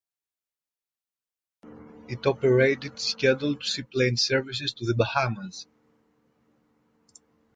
It operated scheduled seaplane services to the Bahamas.